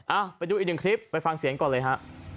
อ่ะไปดูอีกหนึ่งคลิปไปฟังเสียงก่อนเลยฮะ